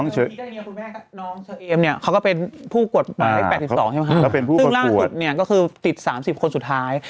จะผิด๓๐คนสุดท้าย